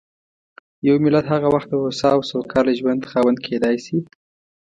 یو ملت هغه وخت د هوسا او سوکاله ژوند خاوند کېدای شي.